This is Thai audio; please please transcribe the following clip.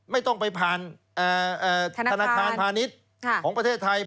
ไม่ต้องไปผ่านธนาคารพาณิชย์ของประเทศไทย